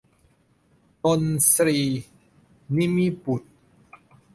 นนทรีย์ นิมิบุตร